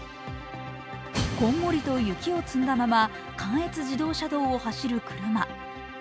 こんもりと雪を積んだまま関越自動車道を走る車。